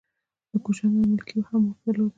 د کوشانیانو ملکې هم واک درلود